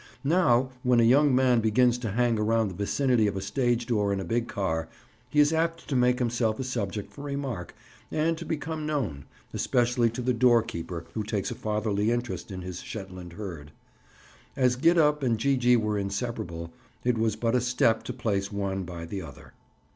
Now when a young man begins to hang around the vicinity of a stage door in a big car, he is apt to make himself a subject for remark and to become known, especially to the door keeper who takes a fatherly interest in his Shetland herd. As Gid up and Gee gee were inseparable, it was but a step to place one by the other.